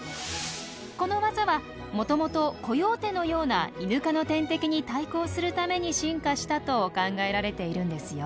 このワザはもともとコヨーテのようなイヌ科の天敵に対抗するために進化したと考えられているんですよ。